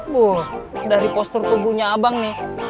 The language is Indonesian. wah dari postur tubuhnya abang nih